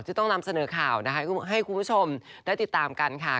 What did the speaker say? ต้องนำเสนอข่าวนะคะให้คุณผู้ชมได้ติดตามกันค่ะ